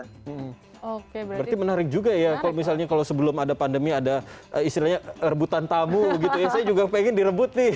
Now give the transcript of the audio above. berarti menarik juga ya kalau misalnya kalau sebelum ada pandemi ada istilahnya rebutan tamu gitu ya saya juga pengen direbut nih